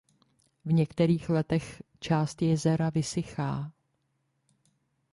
V některých letech část jezera vysychá.